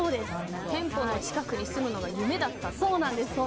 店舗の近くに住むのが夢だったというお話で。